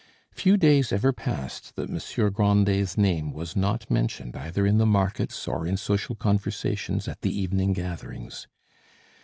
Few days ever passed that Monsieur Grandet's name was not mentioned either in the markets or in social conversations at the evening gatherings.